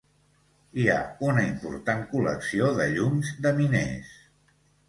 Hi ha una important col·lecció de llums de miners.